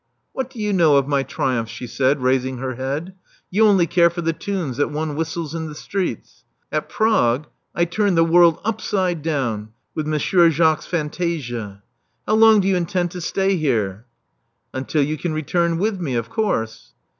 What do you know of my triumphs!" she said, raising her head. You only care for the tunes that one whistles in the streets ! At Prague I turned the world upside down with Monsieur Jacque's fantasia. How long do you intend to stay here?" Until you can return with me, of course."